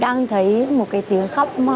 đang thấy một cái tiếng khóc